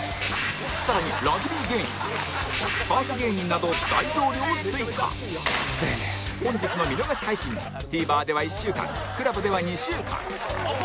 更にラグビー芸人ハーフ芸人など大増量追加本日の見逃し配信も ＴＶｅｒ では１週間 ＣＬＵＢ では２週間